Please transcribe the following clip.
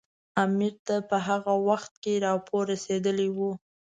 امیر ته په هغه وخت کې راپور رسېدلی وو.